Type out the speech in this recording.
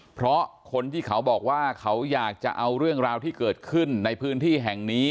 เพราะคนที่เขาบอกว่าเขาอยากจะเอาเรื่องราวที่เกิดขึ้นในพื้นที่แห่งนี้